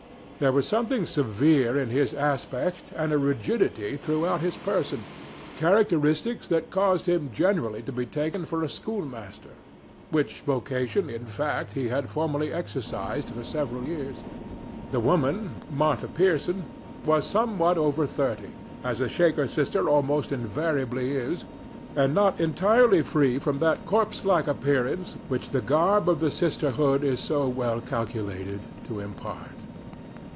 There was something severe in his aspect and a rigidity throughout his person—characteristics that caused him generally to be taken for a schoolmaster; which vocation, in fact, he had formerly exercised for several years. The woman, Martha Pierson, was somewhat above thirty, thin and pale, as a Shaker sister almost invariably is, and not entirely free from that corpse like appearance which the garb of the sisterhood is so well calculated to impart.